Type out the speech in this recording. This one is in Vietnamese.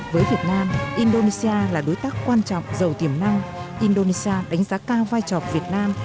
với việt nam indonesia là đối tác quan trọng giàu tiềm năng indonesia đánh giá cao vai trò việt nam